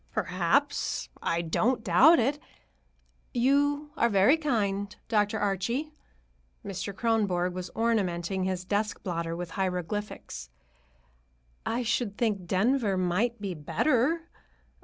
"Perhaps; I don't doubt it. You are very kind, Dr. Archie." Mr. Kronborg was ornamenting his desk blotter with hieroglyphics. "I should think Denver might be better.